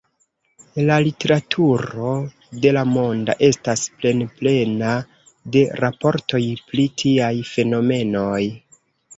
La literaturo de la mondo estas plenplena de raportoj pri tiaj fenomenoj.